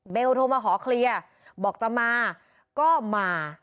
โทรมาขอเคลียร์บอกจะมาก็มา